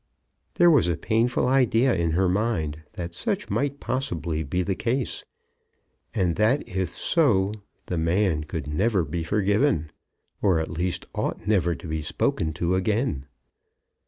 There was a painful idea in her mind that such might possibly be the case, and that if so, the man could never be forgiven, or at least ought never to be spoken to again.